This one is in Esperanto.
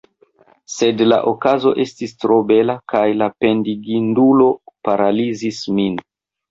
Sed la okazo estis tro bela, kaj la pendigindulo paralizis min.